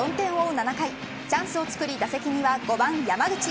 ７回チャンスを作り打席には５番山口。